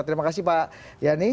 terima kasih pak yani